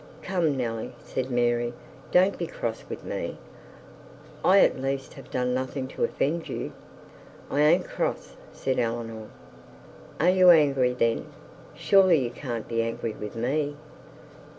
'Come, Nelly,' said Mary, 'don't be cross with me. I at least have done nothing to offend you.' 'I an't cross,' said Eleanor. 'Are you angry then? Surely you can't be angry with me.'